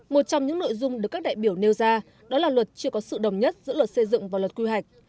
một trong những nội dung được các đại biểu nêu ra đó là luật chưa có sự đồng nhất giữa luật xây dựng và luật quy hoạch